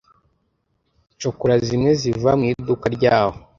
shokora zimwe ziva mu iduka ryaho